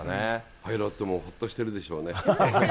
パイロットもほっとしてるでしょうね。